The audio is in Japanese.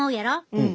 うん。